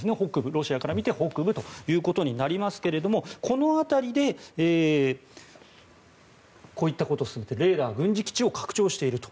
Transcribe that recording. ロシアから見て北部ということになりますがこの辺りでこういったことをしているレーダー軍事基地を拡張していると。